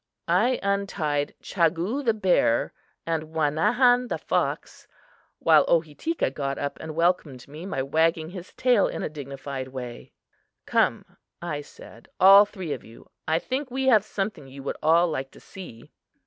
I untied Chagoo, the bear, and Wanahon, the fox, while Ohitika got up and welcomed me by wagging his tail in a dignified way. "Come," I said, "all three of you. I think we have something you would all like to see."